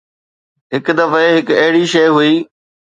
هڪ دفعي هڪ اهڙي شيء هئي.